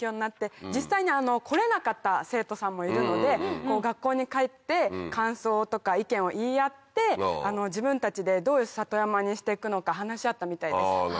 実際に来れなかった生徒さんもいるので学校に帰って感想とか意見を言い合って自分たちでどういう里山にしてくのか話し合ったみたいです。